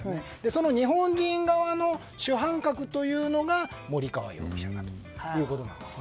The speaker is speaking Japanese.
その日本人側の主犯格というのが森川容疑者だということなんです。